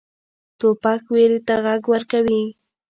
توپک ویرې ته غږ ورکوي.